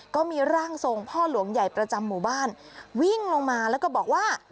ก็มีร่างทรงพ่อหลวงใหญ่ประจำหมู่บ้านวิ่งลงมาแล้วก็บอกว่า